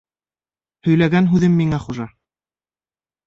Һөйләгән һүҙем миңә хужа.